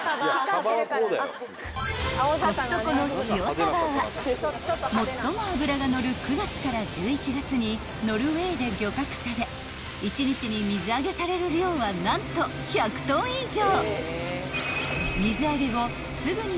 さばは最も脂が乗る９月から１１月にノルウェーで漁獲され１日に水揚げされる量は何と１００ｔ以上］